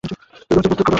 দরজা বন্ধ কর।